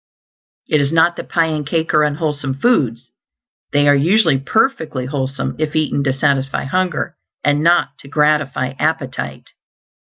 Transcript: It is not that pie and cake are unwholesome foods; they are usually perfectly wholesome if eaten to satisfy hunger, and NOT to gratify appetite.